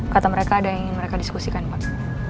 kata mereka ada yang ingin mereka diskusikan pak